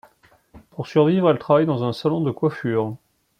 Pour survivre elle travaille dans un salon de coiffure.